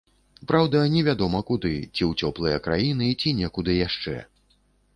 Праўда, не вядома, куды, ці ў цёплыя краіны, ці некуды яшчэ.